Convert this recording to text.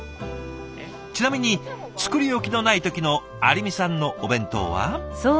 ちなみに作り置きのない時の有美さんのお弁当は。